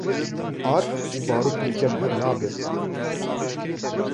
Ar û barût li cem hev nabe